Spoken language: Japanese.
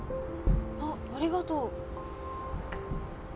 あっありがと。